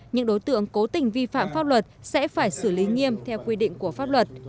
những đối tượng cố tình vi phạm pháp luật sẽ phải xử lý nghiêm theo quy định của pháp luật